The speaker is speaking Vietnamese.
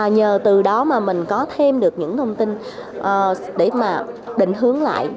nhờ từ đó mà mình có thêm được những thông tin để mà định hướng lại